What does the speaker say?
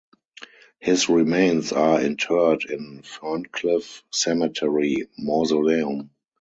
His remains are interred in Ferncliff Cemetery Mausoleum.